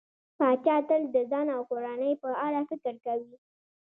پاچا تل د ځان او کورنۍ په اړه فکر کوي.